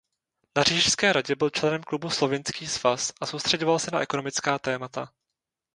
Na Říšské radě byl členem klubu Slovinský svaz a soustřeďoval se na ekonomická témata.